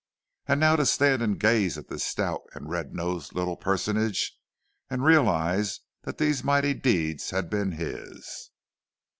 —And now to stand and gaze at this stout and red nosed little personage, and realize that these mighty deeds had been his!